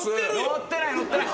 乗ってない乗ってない！